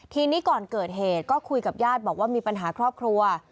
ทีนี้ก่อนเกิดเหตุก็คุยกับญาติบอกว่ามีปัญหาครอบครัว